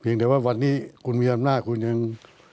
แต่ว่าวันนี้คุณมีอำนาจคุณยัง